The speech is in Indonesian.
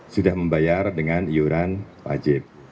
sudah membayar dengan iuran wajib